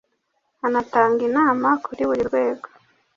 anatanga inama kuri buri rwego